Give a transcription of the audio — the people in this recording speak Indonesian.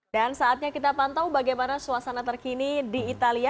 dan saatnya kita pantau bagaimana suasana terkini di italia